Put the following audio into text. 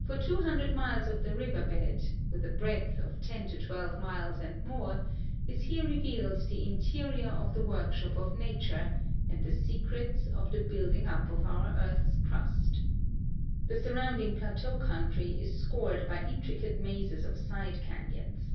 For 200 miles of the river bed, with a breadth of 10 to 12 miles and more, is here revealed the interior of the workshop of Nature and the secrets of the building up of our earth's crust. The surrounding plateau country is scored by intricate mazes of side canons.